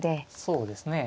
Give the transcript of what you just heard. そうですね。